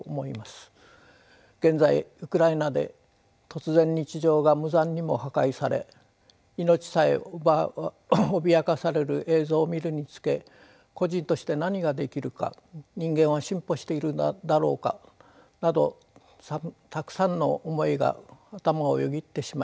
現在ウクライナで突然日常が無残にも破壊され命さえ脅かされる映像を見るにつけ個人として何ができるか人間は進歩しているだろうかなどたくさんの思いが頭をよぎってしまいます。